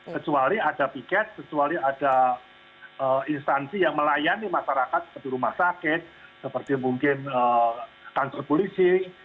kecuali ada piket kecuali ada instansi yang melayani masyarakat seperti rumah sakit seperti mungkin kantor polisi